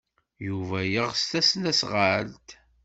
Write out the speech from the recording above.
Yuba yeɣs tasnasɣalt.